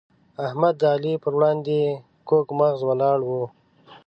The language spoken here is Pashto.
احمد د علي پر وړاندې کوږ مغزی ولاړ وو.